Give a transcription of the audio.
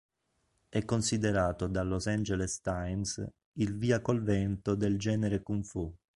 È considerato dal Los Angeles Times "Il Via col Vento del genere Kung-Fu".